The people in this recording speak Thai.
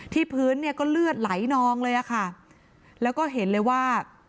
พื้นเนี่ยก็เลือดไหลนองเลยอะค่ะแล้วก็เห็นเลยว่า